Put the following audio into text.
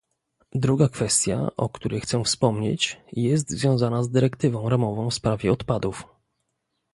Druga kwestia, o której chcę wspomnieć, jest związana z dyrektywą ramową w sprawie odpadów